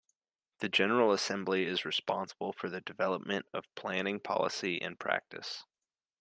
The General Assembly is responsible for the development of planning policy and practice.